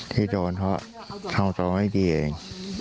ที่โดนเพราะทำตัวไม่ดีเอง